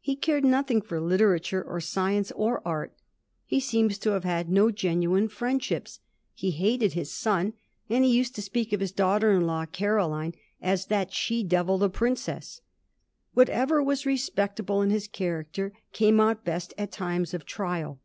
He cared nothing for literature, or science, or art. He seems to have had no genuine friendships. He hated his son, and he used to speak of his daughter in law, Caroline, as * that she devil the princess.' Whatever was respect able in his character came out best at times of trial.